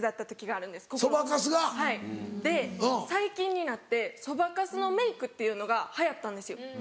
で最近になってそばかすのメークっていうのが流行ったんですよ。